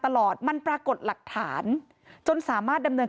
ตลอดมันปรากฏหลักฐานจนสามารถดำเนิน